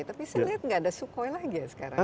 tapi saya lihat nggak ada sukhoi lagi ya sekarang